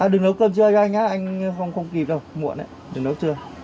đừng nấu cơm trưa cho anh nhé anh không kịp đâu muộn đấy đừng nấu trưa